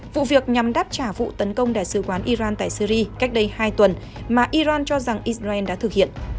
vụ việc nhằm đáp trả vụ tấn công đại sứ quán iran tại syri cách đây hai tuần mà iran cho rằng israel đã thực hiện